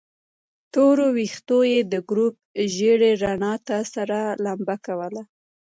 تورو ويښتو يې د ګروپ ژېړې رڼا ته سره لمبه کوله.